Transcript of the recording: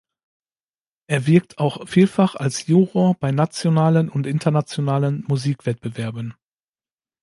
Er wirkt auch vielfach als Juror bei nationalen und internationalen Musikwettbewerben.